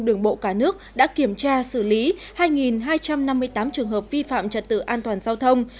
đường bộ cả nước đã kiểm tra xử lý hai hai trăm năm mươi tám trường hợp vi phạm trật tự an toàn giao thông